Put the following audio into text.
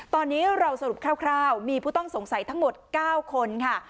ตอนนี้เราสรุปคร่าวมีผู้ต้องสงสัยทั้งหมด๙คนค่ะ